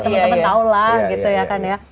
temen temen tau lah gitu ya kan ya